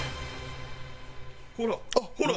ほらほら！